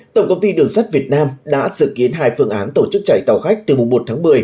tổng công ty đường sắt việt nam đã dự kiến hai phương án tổ chức chạy tàu khách từ một tháng một mươi